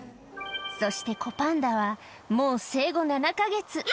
そして子パンダは、もう生後７か月。